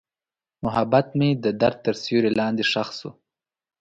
محبت مې د درد تر سیوري لاندې ښخ شو.